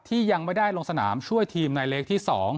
ที่ยังไม่ได้ลงสนามช่วยทีมในเล็กที่๒